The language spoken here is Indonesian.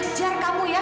kurang ajar kamu ya